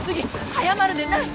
早まるでない！